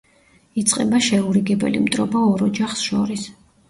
იწყება შეურიგებელი მტრობა ორ ოჯახს შორის.